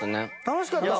楽しかった！